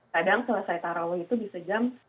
kadang selesai taraweh itu bisa jam lima belas